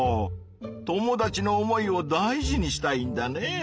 友達の思いを大事にしたいんだね。